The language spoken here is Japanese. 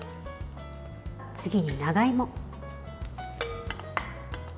次に、長芋。